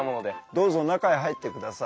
どうぞ中へ入ってください。